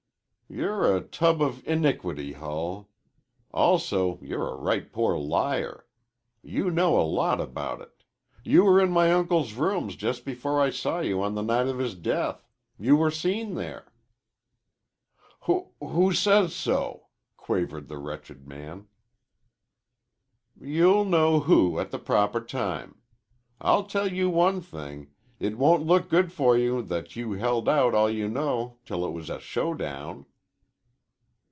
"You're a tub of iniquity, Hull. Also, you're a right poor liar. You know a lot about it. You were in my uncle's rooms just before I saw you on the night of his death. You were seen there." "W w who says so?" quavered the wretched man. "You'll know who at the proper time. I'll tell you one thing. It won't look good for you that you held out all you know till it was a showdown."